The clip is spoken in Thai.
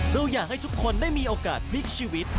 เราอยากให้ทุกคนได้มีโอกาสพลิกชีวิต